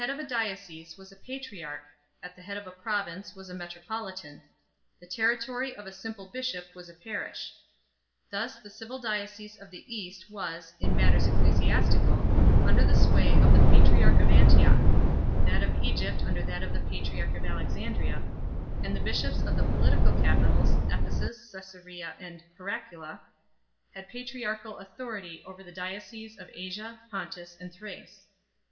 183 ajiiocese was a patriarch 1 , at the head of a province was a metropolitan 2 ; the territory of a simple bishop was a parish 3 . Thus the civil diocese of the East was, in mat ters ecclesiastical, under the sway of the patriarch of An tioch ; that of Egypt under that of the patriarch of Alex andria ; and the bishops of the political capitals, Ephesus, Csesarea, and Heraclea, had patriarchal authority over the dioceses of Asia, Pontus, and Thrace.